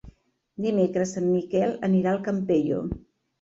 Dimecres en Miquel anirà al Campello.